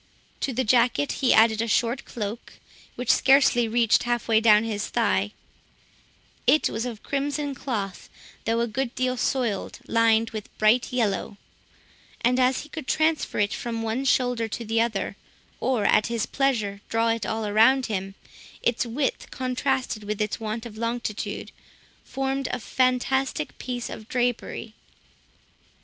To the jacket he added a short cloak, which scarcely reached half way down his thigh; it was of crimson cloth, though a good deal soiled, lined with bright yellow; and as he could transfer it from one shoulder to the other, or at his pleasure draw it all around him, its width, contrasted with its want of longitude, formed a fantastic piece of drapery.